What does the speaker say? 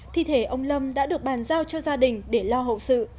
thi thể ông lâm đã được bàn giao cho gia đình để lo hậu sự